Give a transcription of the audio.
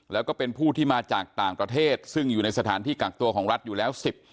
แล้วก็เป็นผู้ที่มาจากต่างประเทศซึ่งอยู่ในสถานที่กักตัวของรัฐอยู่แล้วสิบ